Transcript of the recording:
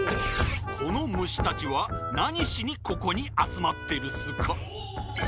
このむしたちはなにしにここにあつまってるっすか？